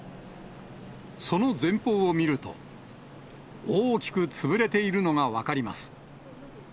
その前方を見ると、大きく潰れているのが分かります。